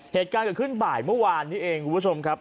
เหตุการณ์เกิดขึ้นบ่ายเมื่อวานนี้เองคุณผู้ชมครับ